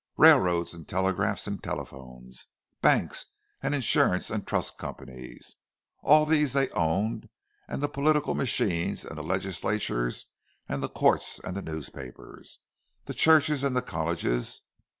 Railroads and telegraphs and telephones—banks and insurance and trust companies—all these they owned; and the political machines and the legislatures, the courts and the newspapers, the churches and the colleges.